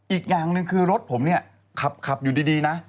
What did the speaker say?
อีกอย่างหนึ่งคือรถผมเนี่ยขับอยู่ดีนะ